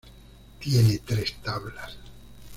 Tiene tres tablas.